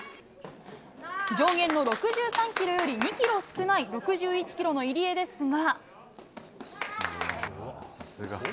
上限の６３キロより２キロ少ない６１キロの入江ですが。